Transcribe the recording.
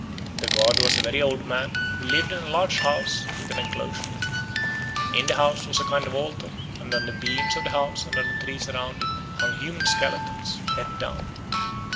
The god was a very old man who lived in a large house within an enclosure. In the house was a kind of altar, and on the beams of the house and on the trees round it were hung human skeletons, head down.